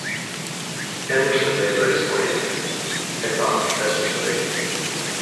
Emerson later explained, I thought this was great.